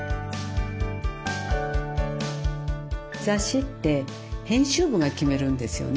雑誌って編集部が決めるんですよね